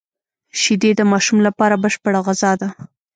شیدې د ماشوم لپاره بشپړه غذا ده